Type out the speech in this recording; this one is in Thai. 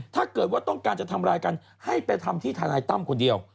ถ้าเกิดว่าต้องการจะทำร้ายกันให้ไปทำที่ทนายตั้มคนเดียว